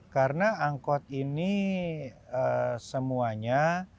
karena angkot ini semuanya